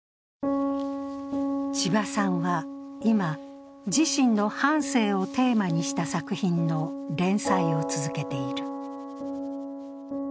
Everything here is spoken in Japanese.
ちばさんは今、自身の半生をテーマにした作品の連載を続けている。